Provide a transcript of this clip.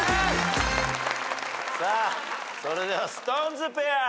さあそれではＳｉｘＴＯＮＥＳペア。